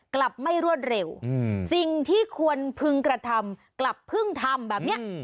กลับไม่รวดเร็วสิ่งที่ควรพึงกระทำกลับเพิ่งทำแบบนี้